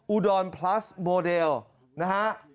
อุดรพลัสโมเดลนะฮะ